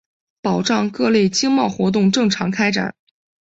保障各类经贸活动正常开展